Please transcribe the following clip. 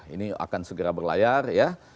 ini akan segera berlayar ya